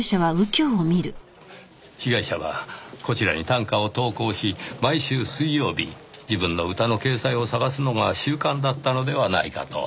被害者はこちらに短歌を投稿し毎週水曜日自分の歌の掲載を探すのが習慣だったのではないかと。